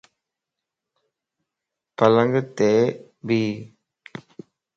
پلنگ ات ٻي